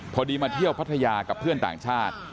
พอดีมาเที่ยวพัทยากับเพื่อนต่างชาติ